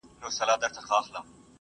زه اجازه لرم چي خواړه ورکړم،